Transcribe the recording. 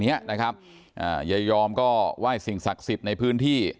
เนี้ยนะครับอ่ายายอมก็ไหว้สิ่งศักดิ์สิทธิ์ในพื้นที่